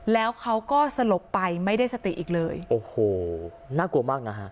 แล้วเขาก็สลบไปไม่ได้สติอีกเลยโอ้โหน่ากลัวมากนะฮะ